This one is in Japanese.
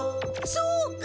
そうか！